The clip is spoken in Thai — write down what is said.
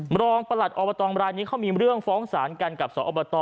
รองประหลัดอบตรายนี้เขามีเรื่องฟ้องสารกันกับสอบต